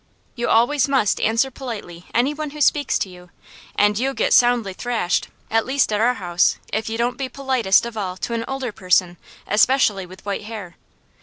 You always must answer politely any one who speaks to you; and you get soundly thrashed, at least at our house, if you don't be politest of all to an older person especially with white hair.